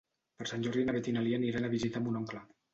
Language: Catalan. Per Sant Jordi na Beth i na Lia aniran a visitar mon oncle.